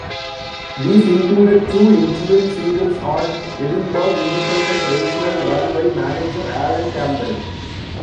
These included two interim singles on Edinburgh independent Rational, run by manager Allan Campbell.